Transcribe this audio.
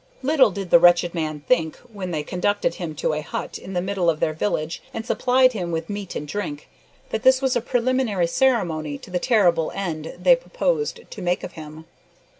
Little did the wretched man think, when they conducted him to a hut in the middle of their village and supplied him with meat and drink, that this was a preliminary ceremony to the terrible end they purposed to make of him.